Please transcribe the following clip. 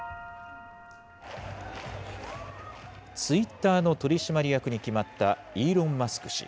ツイッターの取締役に決まったイーロン・マスク